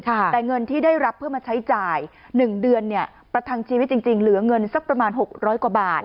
แต่เงินที่ได้รับเพื่อมาใช้จ่าย๑เดือนเนี่ยประทังชีวิตจริงเหลือเงินสักประมาณ๖๐๐กว่าบาท